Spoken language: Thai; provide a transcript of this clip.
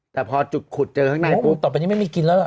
แต่พอจุดขุดเจอข้างในปุ๊บต่อไปนี้ไม่มีกินแล้วล่ะ